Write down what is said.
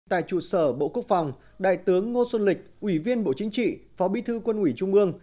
tại trụ sở bộ quốc phòng đại tướng ngô xuân lịch ủy viên bộ chính trị phó bí thư quân ủy trung ương